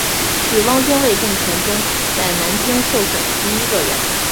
是汪精卫政权中在南京受审的第一个人。